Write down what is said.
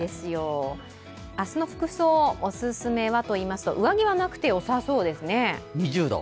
明日の服装、お勧めはといいますと、上着はなくてよさそうですね。